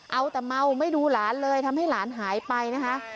เอาแต่เมาไม่ดูหลานเลยทำให้หลานหายไปนะคะ